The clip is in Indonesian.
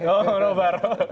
oh menuntut mula